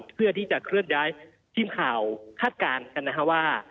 เพื่อที่จะเคลื่อนย้ายทีมข่าวคาดการณ์กันนะคะว่า